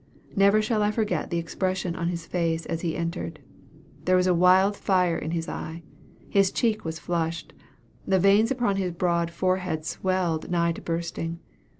Never shall I forget the expression of his face as he entered. There was a wild fire in his eye his cheek was flushed the veins upon his broad forehead swelled nigh to bursting.